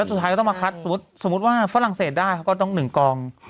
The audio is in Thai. สุดท้ายก็ต้องมาคัดสมมุติว่าฝรั่งเศสได้เขาก็ต้อง๑กอง